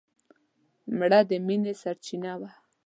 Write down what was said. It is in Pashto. مړه د مینې سرڅینه وه